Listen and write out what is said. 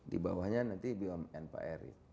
di bawahnya nanti bnpri